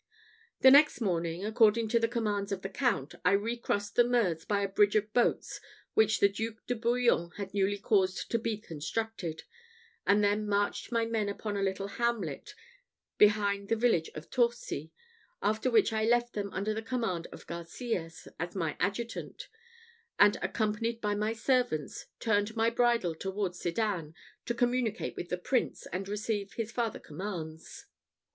The next morning, according to the commands of the Count, I recrossed the Meuse by a bridge of boats which the Duke de Bouillon had newly caused to be constructed, and then marched my men upon a little hamlet behind the village of Torcy; after which I left them under the command of Garcias, as my adjutant; and accompanied by my servants, turned my bridle towards Sedan, to communicate with the Prince, and receive his farther commands.